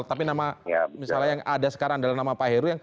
tapi nama misalnya yang ada sekarang dalam nama pak heru